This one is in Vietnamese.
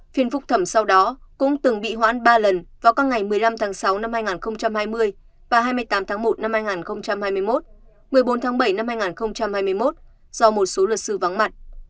phiên phúc thẩm sau đó cũng từng bị hoãn ba lần vào các ngày một mươi năm tháng sáu năm hai nghìn hai mươi và hai mươi tám tháng một năm hai nghìn hai mươi một một mươi bốn tháng bảy năm hai nghìn hai mươi một do một số luật sư vắng mặt